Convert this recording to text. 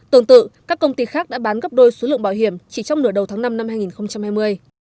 tương tự các công ty khác đã bán gấp đôi số lượng bảo hiểm chỉ trong nửa đầu tháng năm năm hai nghìn hai mươi